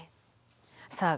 さあ